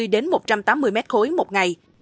đến một trăm tám mươi mét khối một ngày